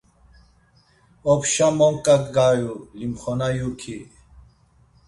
Opşa monǩa gayu limxona yuki.